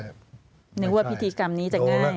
นึกว่าพิธีกรรมนี้จะง่าย